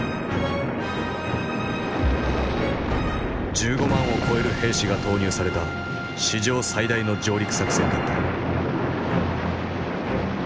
１５万を超える兵士が投入された史上最大の上陸作戦だった。